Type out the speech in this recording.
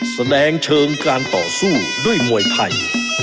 แสดงเชิงการต่อสู้ด้วยมวยไทย